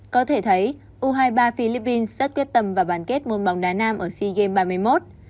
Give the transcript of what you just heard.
có thể thấy u hai mươi ba philippines rất quyết tâm và bàn kết môn bóng đá nam ở sea games ba mươi một